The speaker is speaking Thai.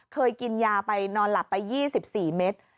เคยกินยาไปนอนหลับไป๒๔เมตร